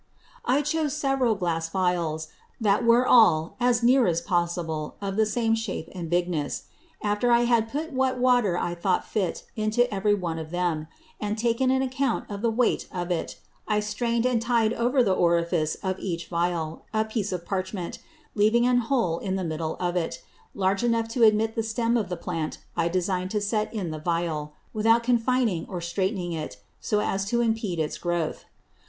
I chose several Glass Vials, that were all, as near as possible, of the same shape and bigness. After I had put what Water I thought fit into every one of them, and taken an Account of the weight of it, I strain'd and ty'd over the Orifice of each Vial, a Piece of Parchment, having an hole in the middle of it, large enough to admit the Stem of the Plant I design'd to set in the Vial, without confining or streightning it, so as to impede its Growth.